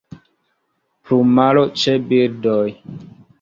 Plumaro ĉe birdoj.